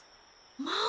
まあ！